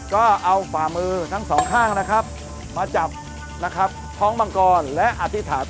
ก็เอาฝ่ามือทั้งสองข้างนะครับมาจับนะครับท้องมังกรและอธิษฐาน